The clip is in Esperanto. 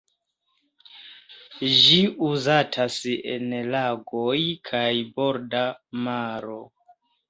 Ĝi uzatas en lagoj kaj borda maro.